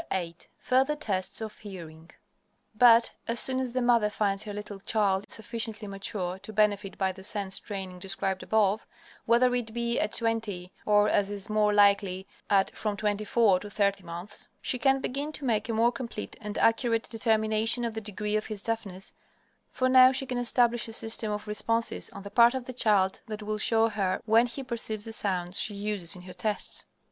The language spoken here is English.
VIII FURTHER TESTS OF HEARING But, as soon as the mother finds her little child sufficiently mature to benefit by the sense training described above, whether it be at twenty or, as is more likely, at from twenty four to thirty months, she can begin to make a more complete and accurate determination of the degree of his deafness, for now she can establish a system of responses on the part of the child that will show her when he perceives the sounds she uses in her tests.